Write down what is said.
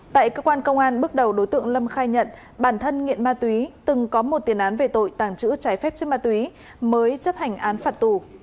tại cơ quan công an bước đầu đối tượng lâm khai nhận bản thân nghiện ma túy từng có một tiền án về tội tàng trữ trái phép chất ma túy mới chấp hành án phạt tù